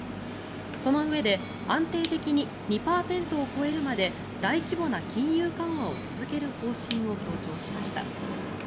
そのうえで安定的に２％を超えるまで大規模な金融緩和を続ける方針を強調しました。